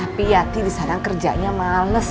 tapi yati disana kerjanya males